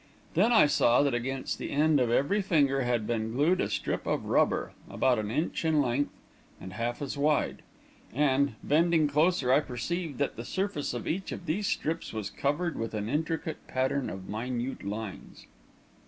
Then I saw that against the end of every finger had been glued a strip of rubber, about an inch in length and half as wide; and, bending closer, I perceived that the surface of each of these strips was covered with an intricate pattern of minute lines.